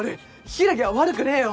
柊は悪くねえよ。